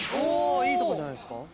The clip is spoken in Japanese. いいとこじゃないですか。